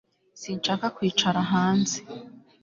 Sinshaka kwicara hanze